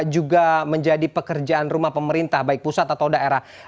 juga menjadi pekerjaan rumah pemerintah baik pusat atau daerah